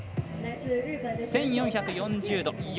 １４４０度。